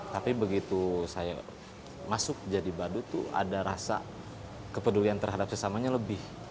tapi begitu saya masuk jadi badut tuh ada rasa kepedulian terhadap sesamanya lebih